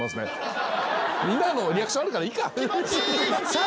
みんなのリアクションあるからいいか。